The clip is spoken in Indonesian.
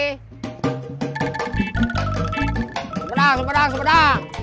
sempedang sepedang sepedang